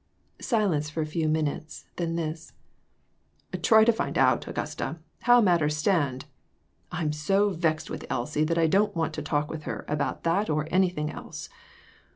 Silence for a few minutes, then this "Try to find out, Augusta, how matters stand. I'm so vexed with Elsie that I don't want to talk with her about that or anything else.